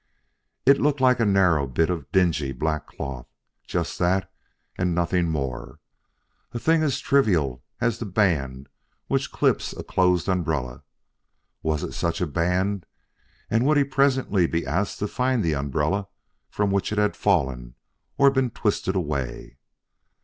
It looked like a narrow bit of dingy black cloth just that and nothing more a thing as trivial as the band which clips a closed umbrella. Was it such a band, and would he presently be asked to find the umbrella from which it had fallen or been twisted away?